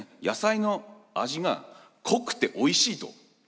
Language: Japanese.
「野菜の味が濃くておいしい」と。